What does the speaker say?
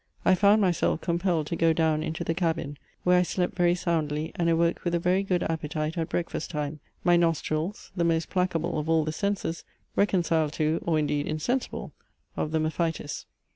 I found myself compelled to go down into the cabin, where I slept very soundly, and awoke with a very good appetite at breakfast time, my nostrils, the most placable of all the senses, reconciled to, or indeed insensible of the mephitis.